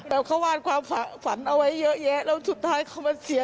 แต่เขาวาดความฝันเอาไว้เยอะแยะแล้วสุดท้ายเขามาเสีย